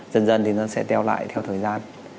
dần dần thì nó sẽ teo lại theo thời gian